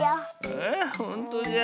ああほんとじゃ。